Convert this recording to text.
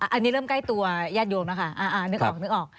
อันนี้เริ่มใกล้ตัวย่านโยงนะคะนึกออก